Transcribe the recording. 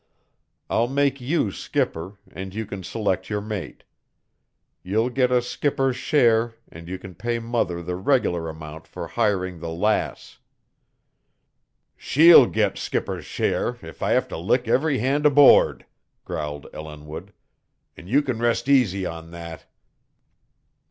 I'll make you skipper, and you can select your mate. You'll get a skipper's share, and you can pay mother the regular amount for hiring the Lass " "She'll get skipper's share if I have to lick every hand aboard!" growled Ellinwood. "An' you can rest easy on that."